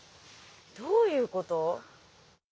どういうこと？